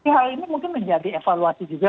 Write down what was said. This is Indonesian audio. hal ini mungkin menjadi evaluasi juga